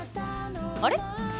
あれ？